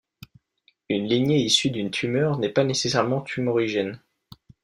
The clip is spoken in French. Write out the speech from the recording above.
Une lignée issue d'une tumeur n'est pas nécessairement tumorigène.